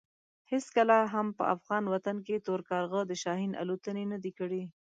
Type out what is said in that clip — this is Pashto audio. هېڅکله هم په افغان وطن کې تور کارغه د شاهین الوتنې نه دي کړې.